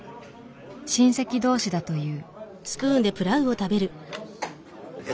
親戚同士だという。